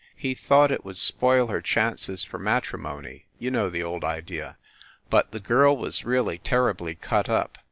He thought it would spoil her chances for matri mony you know the old idea. But the girl was really terribly cut up.